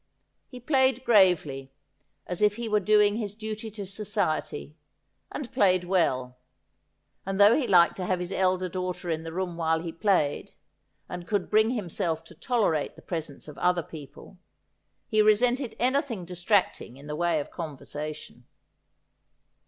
He played gravely, as if he were doing his duty to society, and played well ; and though he liked to have his elder daughter in the room while he played, and could bring himself to tolerate the presence of other people, he resented anything distracting in the way of conversation.